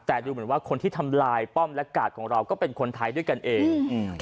แต่ดูเหมือนว่าคนที่ทำลายป้อมและกาดของเราก็เป็นคนไทยด้วยกันเองอืม